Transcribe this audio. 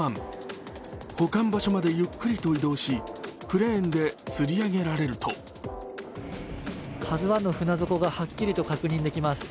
保管場所までゆっくりと移動しクレーンでつり上げられると「ＫＡＺＵⅠ」の船底がはっきりと確認できます。